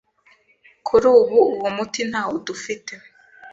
kuri ubu uwo muti ntawo dufite.